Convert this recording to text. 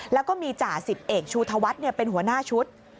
แล้วก็มีจ่าสิบเอกชูธวัฒน์เป็นหัวหน้าชุด